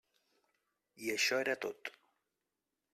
I això era tot.